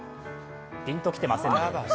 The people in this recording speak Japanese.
ピンときてません？